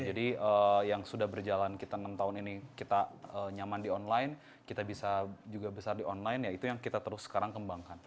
jadi yang sudah berjalan kita enam tahun ini kita nyaman di online kita bisa juga besar di online ya itu yang kita terus sekarang kembangkan